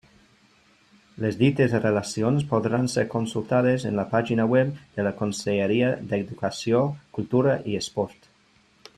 Les dites relacions podran ser consultades en la pàgina web de la Conselleria d'Educació, Cultura i Esport.